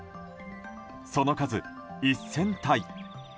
その数、１０００体。